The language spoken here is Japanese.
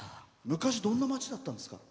昔どんな町だったんですか？